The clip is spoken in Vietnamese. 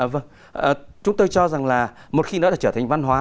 vâng chúng tôi cho rằng là một khi nó đã trở thành văn hóa